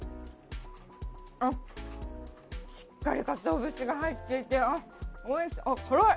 あっ、しっかりかつお節が入っていて、おいしい、あっ、辛い。